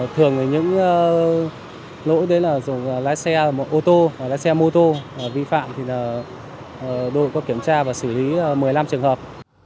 thường những lỗi đấy là lái xe một ô tô hoặc lái xe mô tô vi phạm thì đội có kiểm tra và xử lý một mươi năm trường hợp